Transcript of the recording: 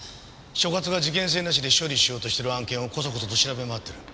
所轄が事件性なしで処理しようとしてる案件をこそこそと調べ回ってる。